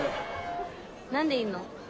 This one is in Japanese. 何でいるの？